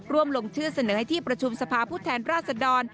ลงชื่อเสนอให้ที่ประชุมสภาพผู้แทนราชดร